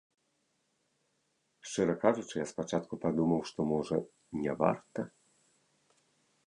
Шчыра кажучы я спачатку падумаў, што, можа, не варта.